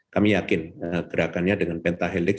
kami yakin gerakannya dengan pentahelix